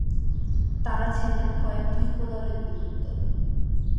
তারা ছিলেন কয়েকটি উপদলে বিভক্ত।